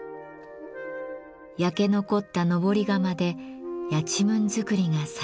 焼け残った登り窯でやちむん作りが再開しました。